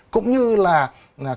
cũng như là cái dự án